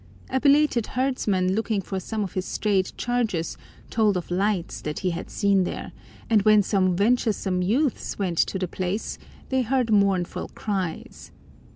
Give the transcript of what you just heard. A belated herdsman looking for some of his strayed charges told of lights that he had seen there, and when some venturesome youths went to the place they heard mournful cries.